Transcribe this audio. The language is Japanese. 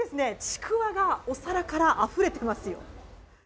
ちくわがお皿からあふれてますよ。